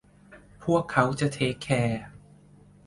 พวกเขาจะเทกแคร์